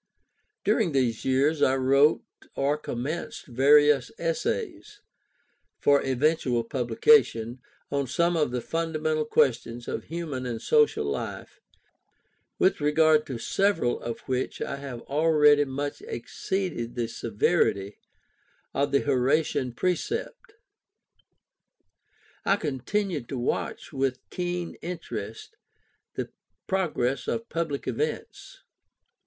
During these years I wrote or commenced various Essays, for eventual publication, on some of the fundamental questions of human and social life, with regard to several of which I have already much exceeded the severity of the Horatian precept. I continued to watch with keen interest the progress of public events.